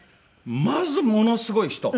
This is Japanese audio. まずものすごい人。